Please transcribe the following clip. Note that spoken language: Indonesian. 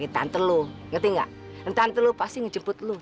king kong aduh aduh aduh